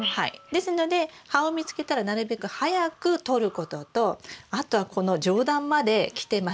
ですので葉を見つけたらなるべく早く取ることとあとはこの上段まで来てますので